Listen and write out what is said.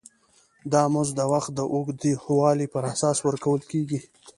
دا مزد د وخت د اوږدوالي پر اساس ورکول کېږي